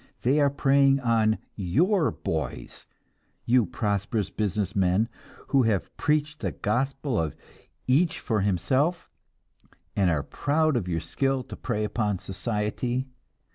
They are preying on your boys you prosperous business men, who have preached the gospel of "each for himself," and are proud of your skill to prey upon society.